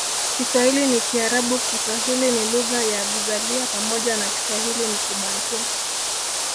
Kiswahili ni Kiarabu Kiswahili ni lugha ya vizalia pamoja na Kiswahili ni Kibantu